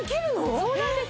そうなんです。